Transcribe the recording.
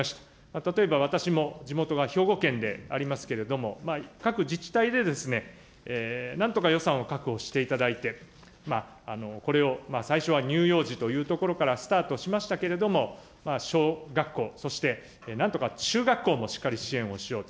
例えば私も地元は兵庫県でありますけれども、各自治体でなんとか予算を確保していただいて、これを最初は乳幼児というところからスタートしましたけれども、小学校、そしてなんとか中学校もしっかり支援をしようと。